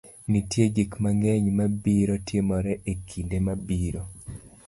Nitie gik mang'eny ma biro timore e kinde mabiro.